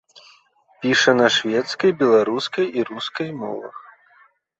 Піша на шведскай, беларускай і рускай мовах.